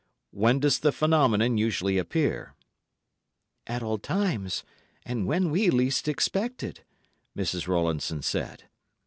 When does the phenomenon usually appear?" "At all times, and when we least expect it," Mrs. Rowlandson said.